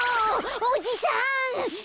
おじさん！